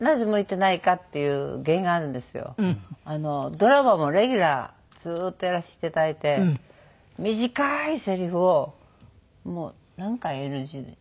ドラマもレギュラーずっとやらせていただいて短いせりふをもう何回ＮＧ？